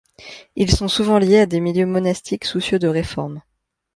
Ils sont souvent liés à des milieux monastiques soucieux de réforme.